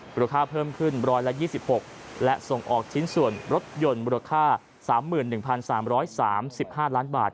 หรือค่าเพิ่มขึ้น๑๒๖และส่งออกชิ้นส่วนรถยนต์มูลค่า๓๑๓๓๕ล้านบาท